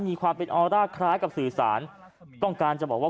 มีความเป็นออร่าคล้ายกับสื่อสารต้องการจะบอกว่า